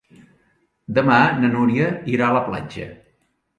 Demà na Núria irà a la platja.